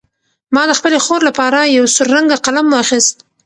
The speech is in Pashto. ما د خپلې خور لپاره یو سور رنګه قلم واخیست.